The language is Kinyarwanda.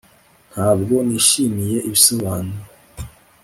ntabwo nishimiye ibisobanuro